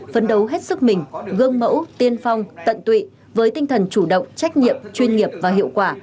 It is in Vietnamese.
phấn đấu hết sức mình gương mẫu tiên phong tận tụy với tinh thần chủ động trách nhiệm chuyên nghiệp và hiệu quả